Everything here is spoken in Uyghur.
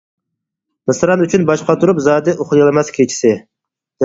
مىسران ئۈچۈن باش قاتۇرۇپ، زادى ئۇخلىيالماس كېچىسى.